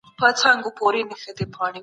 پيغمبر د عدالت غوښتونکی و.